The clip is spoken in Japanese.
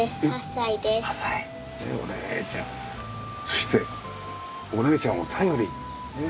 そしてお姉ちゃんを頼りに。